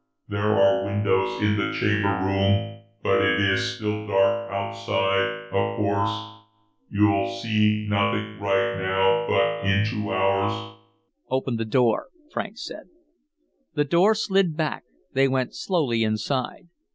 There are windows in the Chamber Room, but it is still dark outside, of course. You'll see nothing right now, but in two hours " "Open the door," Franks said. The door slid back. They went slowly inside.